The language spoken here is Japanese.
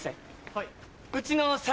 はい。